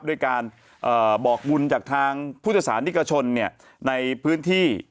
ด้วยการบอกบุญจากทางพุทธศาสนิกชนในพื้นที่